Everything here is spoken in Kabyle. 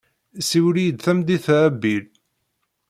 Siwel-iyi-d tameddit-a a Bill.